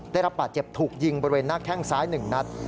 ได้รับบาดเจ็บถูกยิงบริเวณหน้าแข้งซ้าย๑นัด